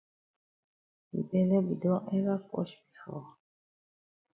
Yi bele be don ever posh before?